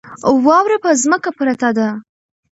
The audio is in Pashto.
واوره په ځمکه پرته ده.